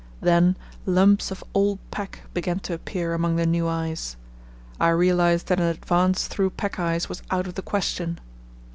Then lumps of old pack began to appear among the new ice. I realized that an advance through pack ice was out of the question.